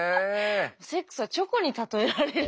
セックスはチョコに例えられる。